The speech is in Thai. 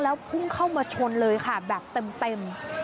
แล้วพุ่งเข้ามาชนเลยค่ะแบบเต็ม